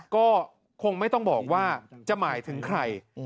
ก็คงไม่ต้องบอกว่าจะหมายถึงใคร